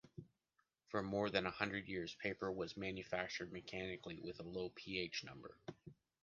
For more than a hundred years paper was manufactured mechanically with a low pH-number.